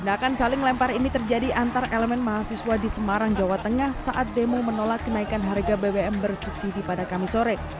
tindakan saling lempar ini terjadi antar elemen mahasiswa di semarang jawa tengah saat demo menolak kenaikan harga bbm bersubsidi pada kamis sore